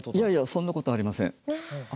いやいやそんなことありません。